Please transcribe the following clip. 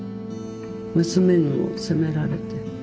娘にも責められて。